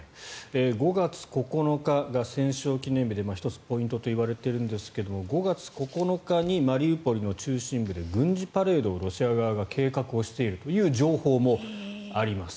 ５月９日が戦勝記念日で１つポイントと言われているんですが５月９日にマリウポリの中心部で軍事パレードをロシア側が計画をしているという情報もあります。